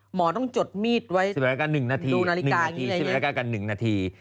หมอต้องจดมีดไว้ดูนาฬิกากับ๑นาที